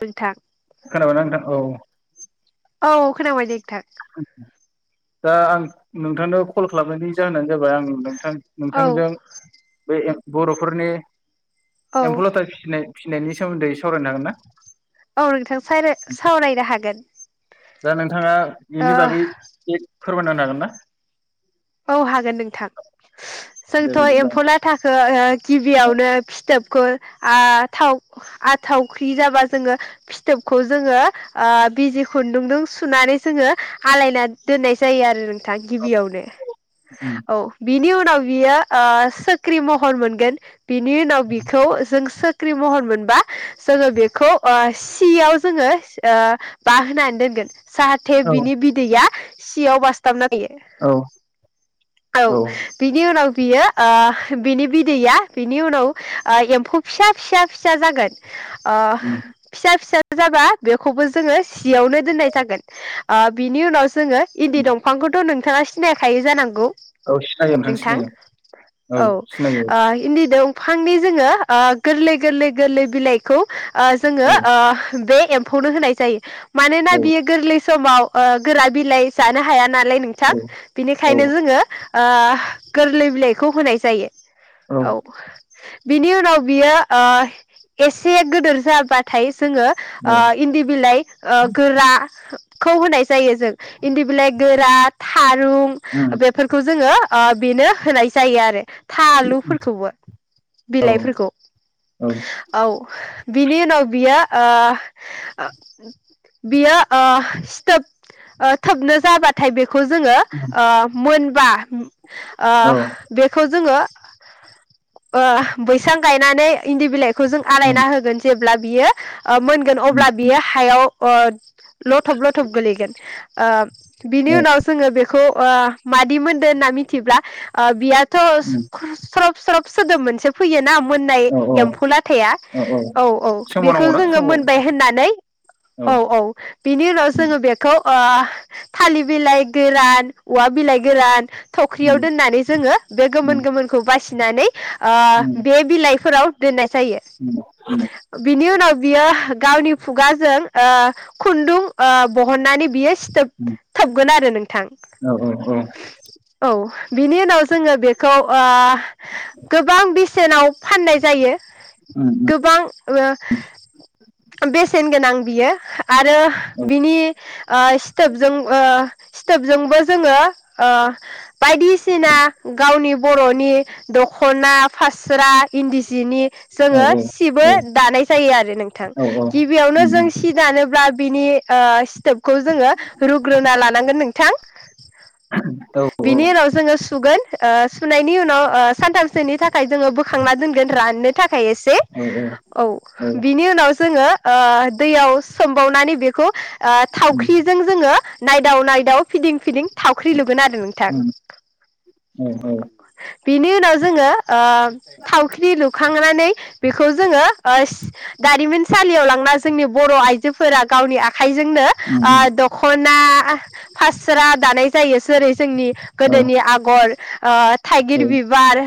नोंथां खोनाबाय ना नोंथां औ औ खोनाबाय दे नोंथां दा आं नोंथांनो कल खालामनायनि जाहोनानो जाबाय आं नोंथां औ नोंथांजों बे बर'फोरनि औ एम्फौलाथा फिसिनाय नि सोमोनदै औ नोंथां सायराय-सावरायनो हागोन। दा नों थाङा ओ बेनि बागै फोरमायनायना होनो हागोन ना? औ हागोन नोंथां दे जोंथ' बिदिब्ला एम्फौलाथाखो ओ गिबियावनो फिथोब खौ आ थाव आ थावख्रि जाबा जोङो फिथोबखौ जोङो बिजि ओ खुन्दुंजों सुनानै जोङो आलायना दोननाय जायो आरो नों थां गिबियावनो। औ बिनि उनाव बेयो ओ सिख्रि महर मोनगोन बिनि उनाव बिखौ जों सो ख्रि महर मोनबा जोङो बेखौ ओ सियाव जोङो ओ बा होनानै दोनगोन। जाहाथे औ बिनि बिदैया सियाव बासथाबना इयो औ औ बिनि उ उनाव बियो ओ बिनि बिदैया बिनि उनाव ओ एम्फौ फिसा फिसा फिसा जागोन अ फिसा फिसा जाबा बेखौबो जोङो सियावनो दोननाय जागोन बिनि उनाव जोङो इन्दि दंफांखौथ नों थाङा सिनायाखै? थायो जानांगौ औ सिनायो नोंथां सिनायो औ ओ इन्दि दं फांनि जोङो ओ‌ गोरलै गोरलै गोरलै बिलाइखौ ओ‌ जोङो औ ओ बे एम्फौनो होनाय जायो मानोना औ बियो गोरलै समाव ओ गोरा बिलाइ जानो हाया ना लाय नोंथां औ औ बेनिखायनो जोङो ओह गोरलै बिलाइखौ होनाय जायो औ बिनि उनाव बियो ओ एसे गोदोर जाबाथाय जोङो औ ओ इन्दि बिलाइ ओ गोरा खौ होनाय जायो जों इन्दि बिलाइक गोरा थारु औ बेफोरखौ जोङो ओ‌ बेनो होनाय जायो आरो थाआलु फोरखौबो औ बिलाइफोरखौ, औ बिनि उनाव बियो ओ बियो ओ सिथोब ओ थोबनो जाबाथाय बेख खौ जोङो ओ‌ मोनबा ओ बेखौ जोङो ओ बैसां गायनानै इन्दि बिलाइ खौ जों आलायना होगोन जेब ब्ला बियो ओह मोनगोन अब्ला बियो हायाव अ लथब लथब गोलैगोन ओह बिनि उनाव जोङो बेख खौ ओ मादिमोन होनना मिथिब्ला ओ बियाथ स खरस सरस स्रब सोदोब मोनसे फैयोना मोननाय औ एम्फौ लाथाया औ औ बेखौ सोंबावनांगौना जोङो मोनबाय सोंबाव होननानै औ औ बिनि उनाव उम जोङो बेखौ ओह थालि बिलाइ गोरान। औवा बिलाइ गोरान। थख्रियाव उम दोननानै जोङो बे उम गोमोन गोमोनखौ बासि फिनानै ओ उम बे बिलाइख फोराव दोननाय जायो उम बिनि उनाव बियो। गावनि खुगाजों ओह खुन्दुं ओ बहननानै बियो सिथ थोब उम थोबगोन आरो नोंथां। [unintelligible] औ बिनि उनाव जोङो बेखौ ओह गोबां बेसेनाव फाननाय जायो। उम उम गोबां ओ बेसेन गोनां बियो आरो औ बिनि ओह स्थोबजों ओह सिथ स्थोबजोंबो जोङो ओह बायदिसिना गावनि बर'नि दखना फास्रा। इन्दि सिनि औ जोङो औ सिबो दानाय जायो आरो नोंथां औ गिबियावनो उम जों उम सि दानोब्ला बिनि ओह स्थोब खौ जोङो रुग्रोना लान नांगोन नोंथां। औ बिनि उनाव जोङो सुगोन। ओह सु सुनायनि उनाव ओह सानथामसोनि थाख थाखाय जोङो बोखांना दोनगोन राननो थाख थाखाय एसे औ औ उम बिनि उनाव जोङो आ दैआव सोमबावनानै बेखौ ओ थावख्रिजों जोङो नायदाव नायदाव फिदिं फिदिं। थावख्रि लुगोन आरो नोंथां। उम औ बिनि उनाव जोङो। ओ थावख्रि लुखांनानै बेखौ जोङो ओ। दारिमिनसालियाव लांना जोंनि बर'आइ जोफोरा गावनि आखाइजोंनो उम उम ओ दख'ना फास्रा दानाय। एसोर ए जोंनि औ गोदोनि औ आगर। ओ थाइगिर बिबार।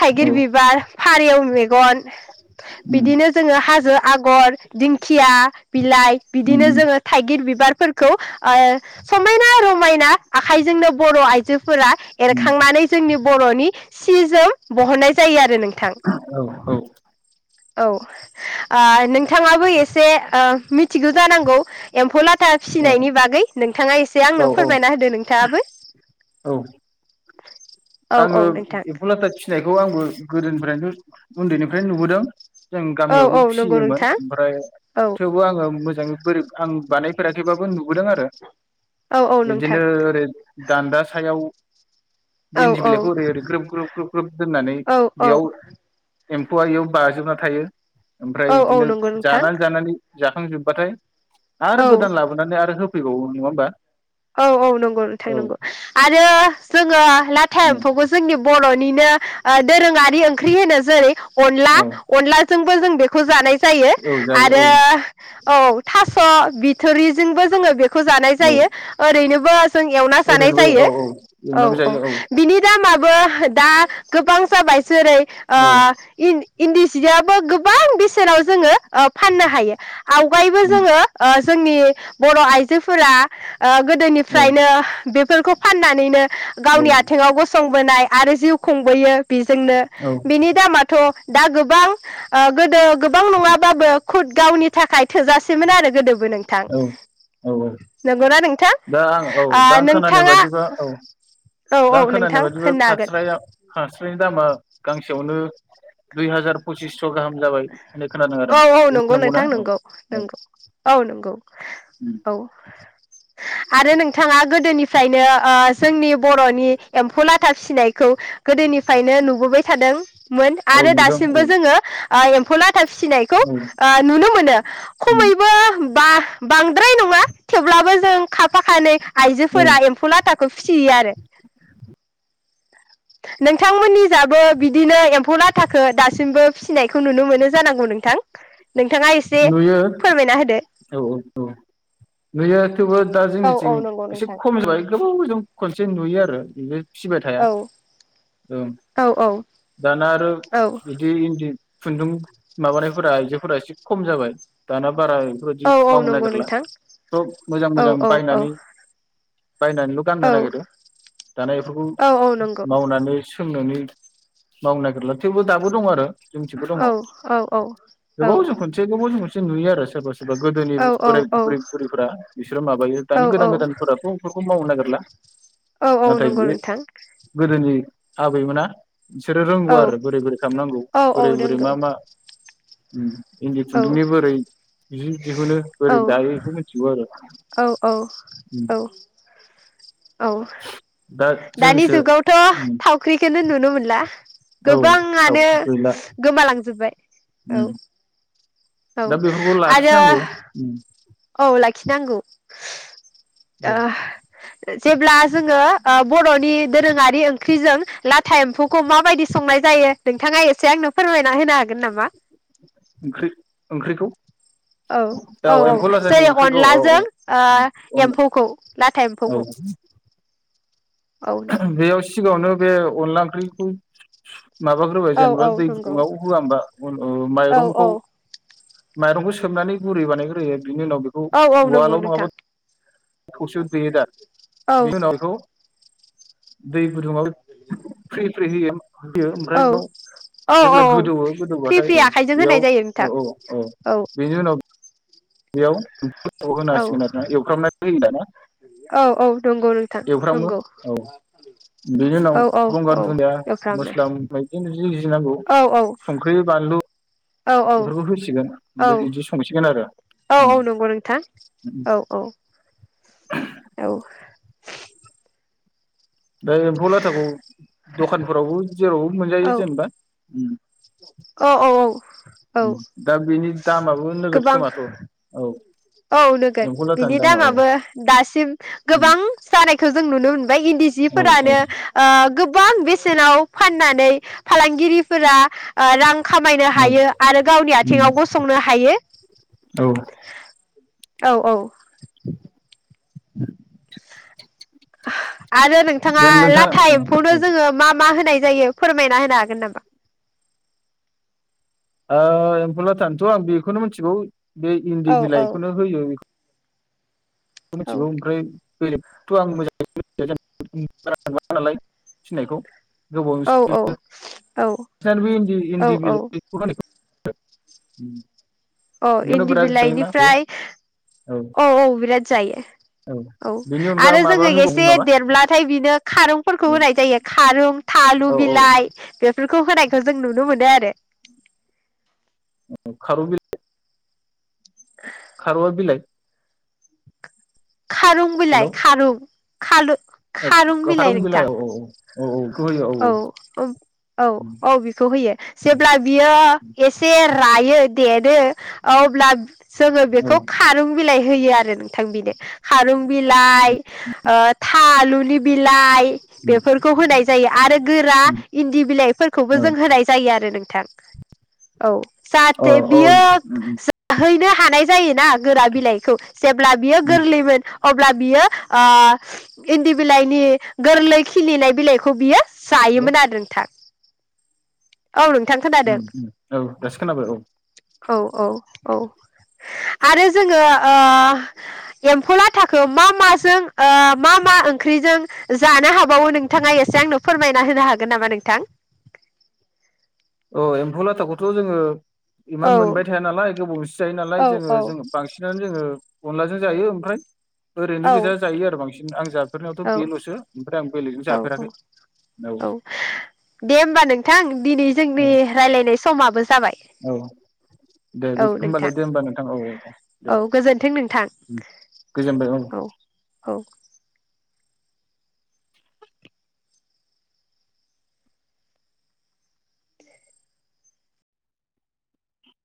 थाइगिर बिबार। फारिव मेगन। उम बिदिनो जोङो हाजो। आगर दिंखिया। बिलाइ बिदिनो उम जोङो थाइगिर बिबार। फोरखौ ओ समायना र मायना आखाइजोंनो बर' आइजो। फोरा उम औ एरखांनानै जोंनि बर'नि। सि जोम बहन्नाय जायो आरो नों औ औ। औ ओ नोंथाङाबो एसे ओ मिथिगौ जानांगौ एम्फौला था फिसिनायनि बागै नोंथाङा एसे औ आंनो फोरबायना होदो नोंथाङाबो। औ। औ आङो औ नोंथां एम्फौ लाथा। फिनायखौ आंबो गोदोनिफ्रायनो उन्दैनिफ्रायनो नुबोदों। जों औ गामियावबो औ नंगौ फिसियोमोन नोंथां ओमफ्राय औ थेवबो आङो मो जों बोरै आं बानायफेराखैबाबो नुबोदों आरो। औ औ बिदिनो नोंथां ओरै दान्दा सायाव। औ इन्दि औ बिलाइखौ ओरै ओरै ग्रोब ग्रोब ग्रोब ग्रोब दोननानै औ औ बेयाव। एम्फौआ इयाव बाजोबना थायो। ओमफ्राय औ औ बिदिनो नंगौ नोंथां जानानै जानानै जाखांजोबबा थाय आरो औ गोदान लाबोनानै आरो हो फै बावो नङा होनबा? औ औ नंगौ नोंथां नंगौ आरो जोङो ला था उम एम्फौखौ जोंनि बर' बर'निनो दोरोङारि ओंख्रि होनो जेरै अनला औ अला जों जों बेखौ जानाय जायो औ जायो औ आरो औ थास' बि थोरिजोंबो जोङो बे खौ जानाय औ जायो। ओरैनोबो जों एवना जानाय ओरैनोबो औ जायो औ औ एवनाबो औ जायो बिनि दामाबो दा गोबां जाबाय जेरै अ औ इन्दि सियाबो गोबां बेसेनाव जोङो ओ फाननो हायो आवगायबो उम जोङो अ जोंनि बर' आइजोफोरा ओ औ गोदोनिफ्रायनो बे बेफोरखौ फाननानैनो औ गावनि आथिङाव गसंबोनाय आरो जिउ खुंबोयो बिजोंनो औ बिनि दामाथ' दा गोबां ओ गोदो गोबां नङाबाबो खुद गावनि थाखाय थोजासेमोन आरो गोदोबो नोंथां औ औ नंगौना नों दा आं औ दां खोनानाय बायदिबा औ औ औ दां खोनानाय नोंथां बायदिबो होननो हागोन फास्राया फास्रा गांसेयावनो दुइ हार पसिस औ औ नंगौ नंगौना नोंथां औ नंगौ औ नंगौ औ नंगौ औ आरो नोंथाङा गोदोनिफ्रायनो ओ जोंनि बर'नि एम्फौ लाथा फिसिनायखौ गोदोनि निफ्रायनो नुबोबाय थादोंमोन आरो नुदों औ दासिमबो जोङो एम्फौ लाथा फिसिनायखौ औ आ नुनो मोनो औ खमैबो बा बांद्राय नङा थेवब्लाबो जों खाफा खानै आइजोफोरा एम्फौ लाथाखौ फिसियो आरो नोंथांमोननि जाबो बिदिनो एम्फौ लाथाखौ दासिमबो फिसिनायखौ नुनो मोनो जानांगौ नोंथां नोंथाङा एसे नुयो फोरमायना होदो औ औ औ नुयो थेवबो दा औ औ जोंनिथिं नंगौ एसे नोंथां खम जाबाय गोबाव जों खनसे नुयो आरो [unintelligible] फिसिबाय औ थाया ओं औ दाना आरो औ बिदि इन्दि खुन्दुं माबानायफोरा आइजोफोरा एसे खम जाबाय दाना बारा बेफोरबायदि औ औ मावनो नंगौ नागिरला नोंथां थ' मोजां मोजां औ औ औ बायनानै बायनानैल गाननो औ नागिरो दाना बेफोरखौ औ औ नंगौ मावनानै सोंनानै मावनो नागिरला थेवबो दाबो दं आरो जोंथिबो दङ औ औ औ औ गोबाव जों खन गोबावजोंसो खनसे नुयो आरो सोरबा सोरबि एबा गोदोनि औ बोराइ बुरैफोरा बिसोरो माबायो औ दानि गोदान गोदानफोराथ' बेफोरखौ मावनो नागिर [unintelligible] औ औ नंगौ नोंथां गोदोनि आबैमोना बिसोरो रोंगौ औ आरो बोरै बोरै खालामनांगौ औ बोरै औ बोरै मा नंगौ मा उ इन्दि औ खुन्दुंनि बोरै जि दिहुनो औ बोरै दायो बेखौ मिथिगौ आरो औ औ औ औ दा दानि जोंसो जुगावथ' थावख्रिखौनो नुनो मोनला औ औ गोबाङानो गैला गोमालांजोब्बाय औ औ दा बेफोरखौ आरो लाखिनांगौ औ लाखि खिनांगौ ओ जेब्ला जोङो बर'नि दोरोङारि ओंख्रिजों लाथा एम्फौखौ मा बायदि संनाय जायो नोंथाङा एसे एसे आंनो फोरमायना होनो हागोन नामा? ओंख्रि ओंख्रिखौ औ औ औ एम्फौ लाथानि जेरै ओंख्रिखौ औ अनलाजों औ एम्फौखौ लाथा औ एम्फौखौ औ नों बेयाव सिगाङावनो बे अनला ओंख्रिखौ माबाग्रोबाय औ औ जेनेबा दै नंगौ गुदुंङाव होआ हबा औ औ माइरंखौ। माइरंखौ सोमनानै गुरै बानायग्रोयो । बिनि उनाव बेखौ औ औ नंगौ उवालाव नङाबा नोंथां थौसियाव देयोदा औ बेनि उनाव बेखौ दै गुदुङाबो फ्रि फ्रि होयो होयो ओमफ्राय औ बेयाव औ जेब्ला औ गोदौवो फ्रि गोदौबाथाय फ्रि औ आखाइजों बेयाव होनाय जायो औ नोंथां औ औ बेनि उनाव बेयाव औ होनांसिगोन आरो ना एवफ्रामना होयो दाना औ औ नंगौ नोंथां एवफ्रामो नंगौ औ बेनि उनाव औ औ गंगार औ दुनिया एवफ्रामो मस्ला बायदि [unintelligible] नांगौ औ औ संख्रि बानलु औ बेफोरखौ होसिगोन ओमफ्राय बिदि संसिगोन आरो। उम औऔ नंगौ नोंथां उम औ औ औ। बे एम्फौ लाथाखौ दखानफोरावबो जेरावबो मोनजायो जेनबा। औऔ औ औ दा बेनि दामाबो नोगोद गोबां खोमाथ' औ औ नोगोन एम्फौ बिनि लाथानि दामा औ दामाबो दासिम उम गोबां जानायखौ जों नुनो मोनबाय इन्दि औ औ सिफोरानो ओ गोबां बेसेनाव फाननानै फालांगिरिफोरा ओ रां खामायनो औ हायो आरो गावनि उम आथिङाव गसंनो हायो। औ औ औ। आरो नोंथाङा दा नोंथां लाथा औ एम्फौनो औ जोङो मा मा होनाय जायो फोरमायना होनो हागोन नामा? ओ एम्फौलाथा नोथ' आं बेखौनो मोनथिगौ बे औ इन्दि औ बिलाइखौनो होयो बेखौ ओ औ मोनथिगौ ओमफ्राय बेलें थ' आं मोजाङैनो [unintelligible] नालाय फिनायखौ। औ गोबावाजोंसो औ नुयो ।बे इन्दि औ इन्दि औ बिलाइखौ होनायखौ उम औ इन्दि बिलाइनिफ्राय औ औ बिराद जायो। औ बेनि अनगा आरो माबा जोङो होबावगोन एसे नामा देरब्लाथाय बिनो खारुनफोरखौ होनाय जायो खारं थालु औ औ बिलाइ बे बेफोरखौ होनायखौ जों नुनो मोनो आरो खारुं बिल खारुवा बिलाइ खारुं बिलाय खारुं। खालु औ-औ खारुं बिलाइ औ-औ-औ-औ। औ-औ-औ-औ बिखौ होयो जेब्ला बियो एसे रायो देरो अब्ला जोंङो औ बेखौ खारुं बिलाइ होयो आरो नोंथां बिनो खारुं बिलाइ ओ था आलुनि बिलाइ बेफोरखौ होनाय आरो गोरा इन्दि बिलाइफोरखौबो जों होनाय जायो आरो नोंथां औ जाहाथे औ औ बियो हैनो हानाय जायोना गोरा बिलाइखौ जेब्ला बियो औ गोरलैमोन अब्ला बियो ओ इन्दि बिलाइनि गोरलै खिनिनाय बिलाइ खौ बियो हेलौ जायोमोन आरो नोंथां। औ नोंथां खोनादों ओम-ओम औ दासो खोनाबो औ। औ औ औ आरो जोङो एम्फौ लाथाखो मा माजों मा मा ओंख्रिजों जानो हागौ बावो नोंथांआ फोरमायना होनो हागोन नामा नोंथां? अ एम्फौ लाथाखौथ' जोंङो इमान औ मोनबाय थाया नालाय गोबावजोंसो जायो नालाय औ जोंङो जों बांसिनानो जोंङो अनलाजों जायो ओमफ्राय ओरैनो गोजा जायो आरो बांसिन। आं जाब औ औ-औ-औ-औ दे होमबा नोंथां दिनै जोंनि रायज्लायनाय समाबो जाबाय औ दे औ बे- होमबालाय नोंथां दे होमबा नोंथां औ दे औ गोजोन्थों नोंथां उम, गोजोनबाय औ औ-औ।